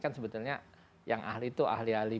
kan sebetulnya yang ahli itu ahli ahli